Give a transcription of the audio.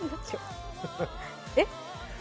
えっ？